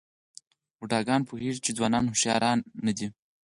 بوډاګان پوهېږي چې ځوانان هوښیاران نه دي.